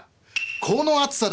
「この暑さだ